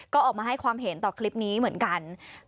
ก็ออกมาให้ความเห็นต่อคลิปนี้เหมือนกัน